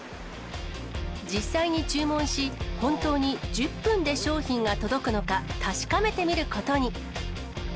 実際に注文し、本当に１０分で商品が届くのか、確かめてみることに。